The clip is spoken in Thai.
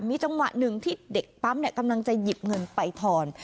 มีจังหวะหนึ่งที่เด็กปั๊มกำลังจะหยิบเงินไปทอน